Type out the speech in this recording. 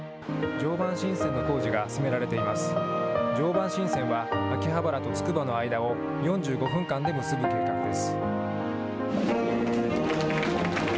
常磐新線は秋葉原とつくばの間を４５分間で結ぶ計画です。